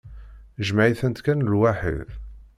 Jmeɛ-itent kan lwaḥid.